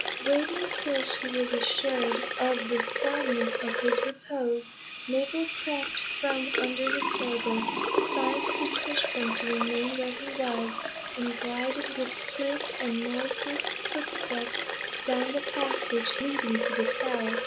Waiting till she was assured of the soundness of his repose, Mabel crept from under the table, signed to Tristram to remain where he was, and glided with swift and noiseless footsteps down the passage leading to the cell.